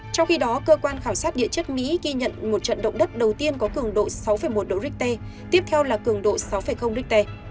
trong khi đó cơ quan khảo sát địa chất mỹ ghi nhận một trận động đất đầu tiên có cường độ sáu một độ richter tiếp theo là cường độ sáu richter